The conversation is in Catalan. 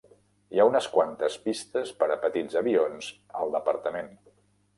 Hi ha unes quantes pistes per a petits avions al departament.